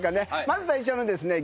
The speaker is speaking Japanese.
まず最初のですね